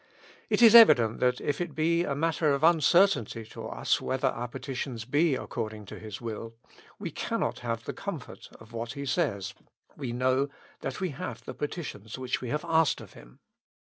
It is evident that if it be a matter of uncertainty to us whether our petitions be according to His will, we cannot have the comfort of what He says, "We know that we have the petitions which we have asked ofHim."